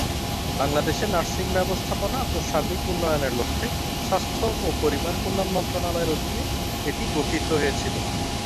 বাংলাদেশের নার্সিং ব্যবস্থাপনা ও সার্বিক উন্নয়নের লক্ষ্যে স্বাস্থ্য ও পরিবার কল্যাণ মন্ত্রণালয়ের অধীনে এটি গঠিত হয়েছিল।